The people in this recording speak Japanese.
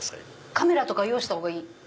カメラとか用意した方がいい？